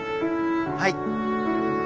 はい。